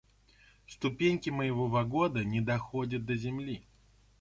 Ступеньки моего вагона не доходят до земли.